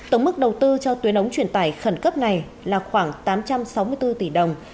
tổng mức đầu tư cho tuyến ống truyền tải khẩn cấp này là khoảng tám trăm sáu mươi bốn tỷ đồng